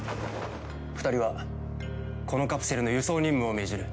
２人はこのカプセルの輸送任務を命じる。